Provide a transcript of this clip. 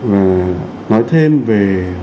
và nói thêm về